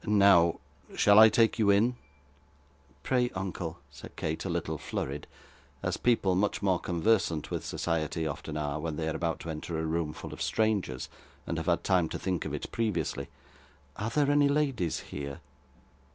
Now shall I take you in?' 'Pray, uncle,' said Kate, a little flurried, as people much more conversant with society often are, when they are about to enter a room full of strangers, and have had time to think of it previously, 'are there any ladies here?